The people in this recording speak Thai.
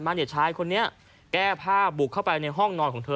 เนี่ยชายคนนี้แก้ผ้าบุกเข้าไปในห้องนอนของเธอ